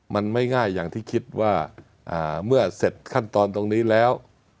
มันไม่ง่ายอย่างที่คิดว่าเมื่อเสร็จขั้นตอนตรงนี้แล้ว